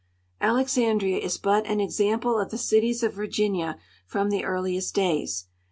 Alexandria is but an example of the cities of Virginia from the earliest days.